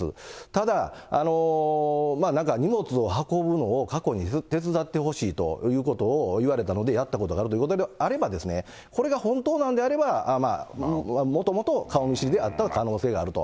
ただ、なんか荷物を運ぶのを過去に手伝ってほしいということを言われたのでやったことがあるということであれば、これが本当なんであれば、もともと顔見知りで会った可能性があると。